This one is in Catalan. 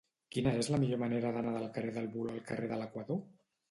Quina és la millor manera d'anar del carrer del Voló al carrer de l'Equador?